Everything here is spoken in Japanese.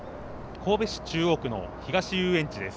神戸市中央区の東遊園地です。